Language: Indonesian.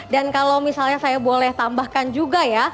dan kalau misalnya saya boleh tambahkan juga ya